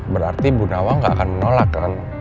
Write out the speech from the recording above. berarti bu nawang gak akan menolakkan